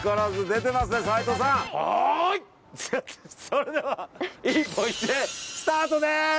それでは１歩１円スタートです